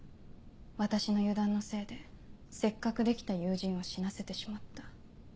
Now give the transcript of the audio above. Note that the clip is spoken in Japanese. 私の油断のせいでせっかくできた友人を死なせてしまった。